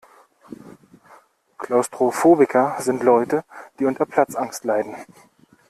Klaustrophobiker sind Leute, die unter Platzangst leiden.